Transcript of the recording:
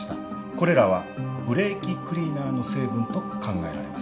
これらはブレーキクリーナーの成分と考えられます。